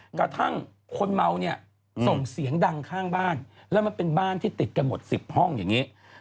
กระทั่งคนเมาเนี่ยส่งเสียงดังข้างบ้านแล้วมันเป็นบ้านที่ติดกันหมด๑๐ห้องอย่างนี้